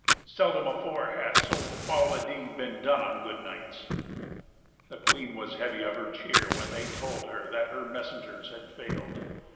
Seldom afore hath so foul a deed been done on good knights." The queen was heavy of her cheer when they told her that her messengers had failed.